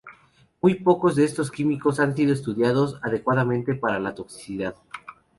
Muy pocos de estos químicos han sido estudiados adecuadamente para la toxicidad.